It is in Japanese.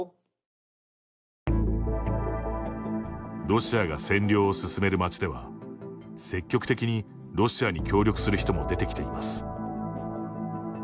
ロシアが占領を進める町では積極的にロシアに協力する人も出てきています。